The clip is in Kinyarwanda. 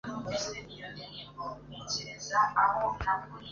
n'amashami y'ibiti bisagambye binini n'ingemwe z'imikindo yo ku nugezi."